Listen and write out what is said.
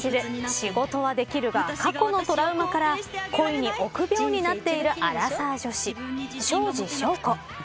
仕事はできるが過去のトラウマから恋に臆病になっているアラサー女子庄司しょう子。